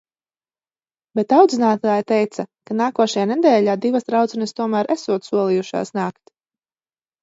Bet audzinātāja teica, ka nākošajā nedēļā divas draudzenes tomēr esot solījušās nākt.